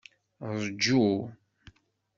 Ṛju.